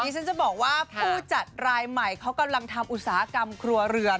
ฉันจะบอกว่าผู้จัดรายใหม่เขากำลังทำอุตสาหกรรมครัวเรือน